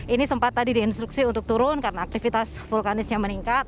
ini sempat tadi diinstruksi untuk turun karena aktivitas vulkanisnya meningkat